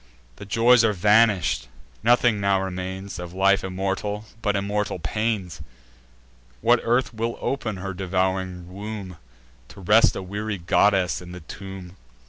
The joys are vanish'd: nothing now remains, Of life immortal, but immortal pains. What earth will open her devouring womb, To rest a weary goddess in the tomb!"